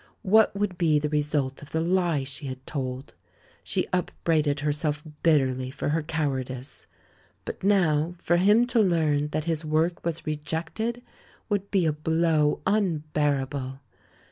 What would be the re sult of the lie she had told? She upbraided her self bitterly for her cowardice. But now for him to learn that his work was rejected would be a blow unbearable!